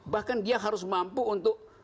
bahkan dia harus mampu untuk